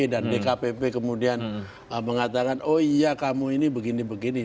dan dkpp kemudian mengatakan oh iya kamu ini begini begini